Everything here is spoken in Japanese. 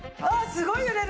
すごい揺れる。